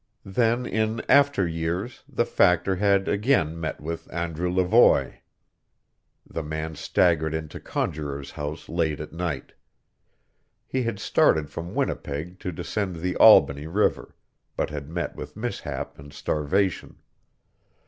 Then in after years the Factor had again met with Andrew Levoy. The man staggered into Conjuror's House late at night. He had started from Winnipeg to descend the Albany River, but had met with mishap and starvation.